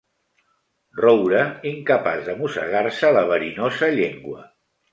Roure, incapaç de mossegar-se la verinosa llengua.